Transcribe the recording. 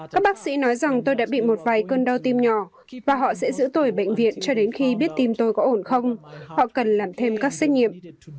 các bác sĩ nói rằng tôi đã bị một vài cơn đau tim nhỏ và họ sẽ giữ tôi ở bệnh viện cho đến khi biết tim tôi có ổn không họ cần làm thêm các xét nghiệm